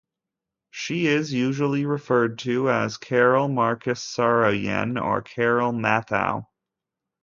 She is usually referred to as Carol Marcus Saroyan or Carol Matthau.